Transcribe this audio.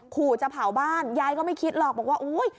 ขู่จะเผาบ้านยายก็ไม่คิดหรอกบอกว่าอุ้ย